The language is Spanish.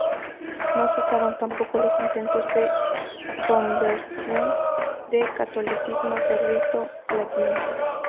No cesaron tampoco los intentos de conversión al catolicismo de rito latino.